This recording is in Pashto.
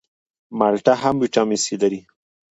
مالټه هم ویټامین سي لري